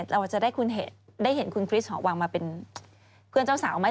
เราจะได้เห็นคุณคริสหอวังมาเป็นเพื่อนเจ้าสาวไหม